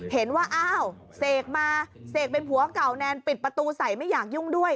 เห็นว่าอ้าวเสกมาเสกเป็นผัวเก่าแนนปิดประตูใส่ไม่อยากยุ่งด้วย